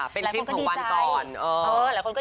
เป็นคลิปของวันก่อน